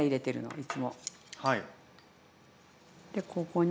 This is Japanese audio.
はい。